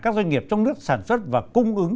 các doanh nghiệp trong nước sản xuất và cung ứng